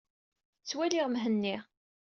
Ttwaliɣ Mhenni.